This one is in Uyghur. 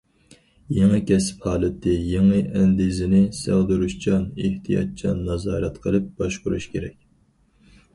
يېڭى كەسىپ ھالىتى، يېڭى ئەندىزىنى سىغدۇرۇشچان، ئېھتىياتچان نازارەت قىلىپ باشقۇرۇش كېرەك.